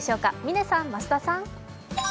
嶺さん、増田さん。